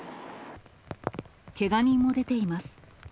けが人も出ています。